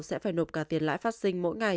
sẽ phải nộp cả tiền lãi phát sinh mỗi ngày